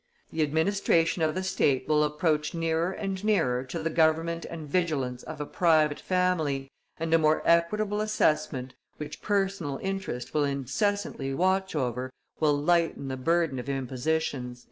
"The administration of the state will approach nearer and nearer to the government and vigilance of a private family, and a more equitable assessment, which personal interest will incessantly watch over, will lighten the burden of impositions."